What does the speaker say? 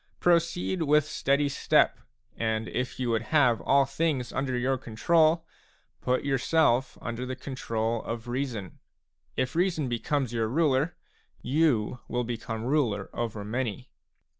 Proceed with steady step, and if you would have all things under your control, put yourself under the control of reason ; if reason be comes your ruler, you will become ruler over many.